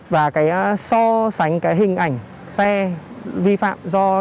và cái so sánh cái hình ảnh xe vi phạm do